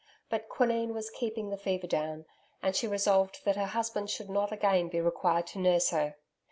But quinine was keeping the fever down, and she resolved that her husband should not again be required to nurse her.